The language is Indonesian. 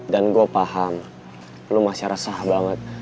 dan gue paham lo masih resah banget